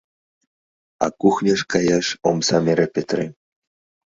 А кухньыш каяш омсам эре петырем.